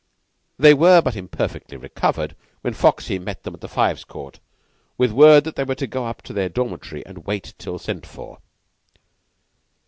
They were but imperfectly recovered when Foxy met them by the Fives Court with word that they were to go up to their dormitory and wait till sent for.